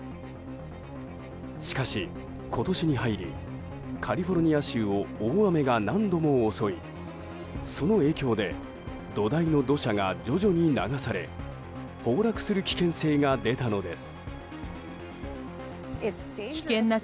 しかし今年に入りカリフォルニア州を大雨が何度も襲いその影響で土台の土砂が徐々に流され崩落する危険性が出たのです。